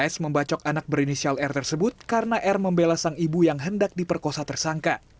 s membacok anak berinisial r tersebut karena r membela sang ibu yang hendak diperkosa tersangka